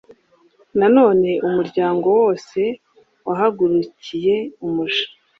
nanone umuryango wose wahagurukiye umuja.